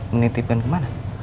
menitipkan ke mana